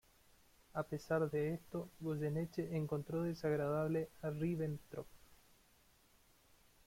A pesar de esto Goyeneche encontró desagradable a Ribbentrop.